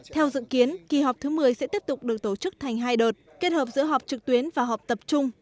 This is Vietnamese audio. theo dự kiến kỳ họp thứ một mươi sẽ tiếp tục được tổ chức thành hai đợt kết hợp giữa họp trực tuyến và họp tập trung